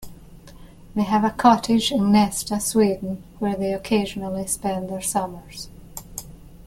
They have a cottage in Gnesta, Sweden where they occasionally spend their summers.